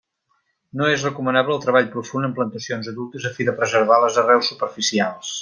No és recomanable el treball profund en plantacions adultes, a fi de preservar les arrels superficials.